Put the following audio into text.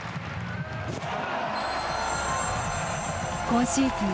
今シーズン